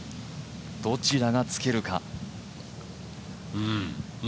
どちらがつけるか。